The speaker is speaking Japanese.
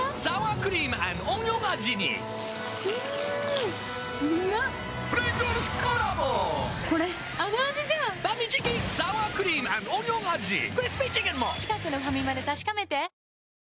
クリスピーチキンも近くのファミマで確かめて！